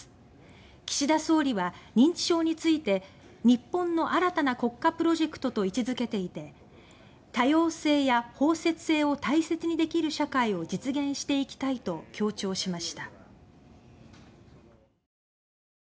岸田総理は、認知症について「日本の新たな国家プロジェクト」と位置付けていて「多様性や包摂性を大切にできる社会を実現していきたい」と強調しました。